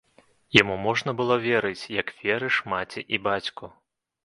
Яму можна было верыць, як верыш маці і бацьку.